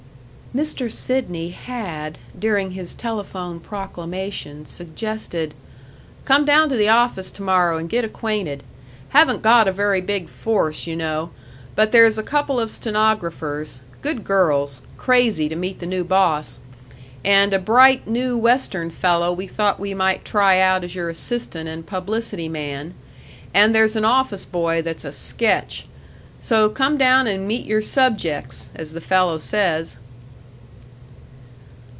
§ 6 Mr. Sidney had, during his telephone proclamation, suggested: "Come down to the office to morrow and get acquainted. Haven't got a very big force, you know, but there's a couple of stenographers, good girls, crazy to meet the new boss, and a bright, new Western fellow we thought we might try out as your assistant and publicity man, and there's an office boy that's a sketch. So come down and meet your subjects, as the fellow says."